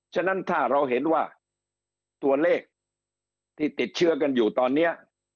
ฉะนั้นถ้าเราเห็นว่าตัวเลขที่ติดเชื้อกันอยู่ตอนนี้